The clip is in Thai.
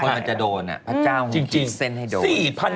พอมันจะโดนพระเจ้าคงคิดเซนให้โดน